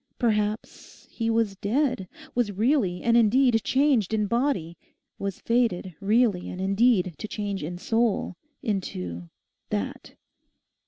Perhaps he was dead, was really and indeed changed in body, was fated really and indeed to change in soul, into That.